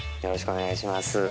よろしくお願いします